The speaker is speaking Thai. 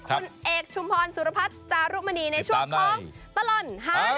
คุณเอกชุมพรสุรพัฒน์จารุมณีในช่วงของตลอดฮัน